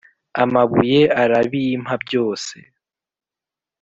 Amabuye arabimpa byose.